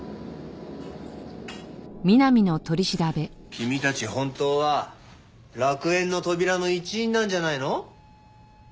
君たち本当は楽園の扉の一員なんじゃないの？